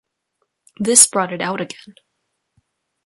This brought it out again.